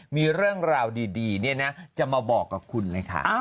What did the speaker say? มีเรื่องราวดีเนี่ยนะจะมาบอกกับคุณเลยค่ะ